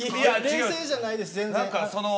冷静じゃないです、全然。